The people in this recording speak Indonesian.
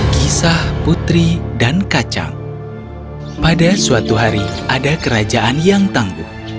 kisah putri dan kacang